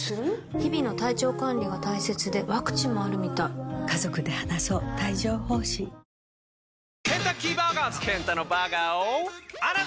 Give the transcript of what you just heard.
日々の体調管理が大切でワクチンもあるみたいおいどうした？